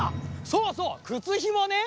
そうそうくつひもね。